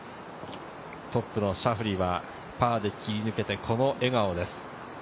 トップのシャフリーはパーで切り抜けて、この笑顔です。